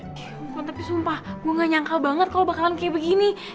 bukan tapi sumpah gue gak nyangka banget kalau bakalan kayak begini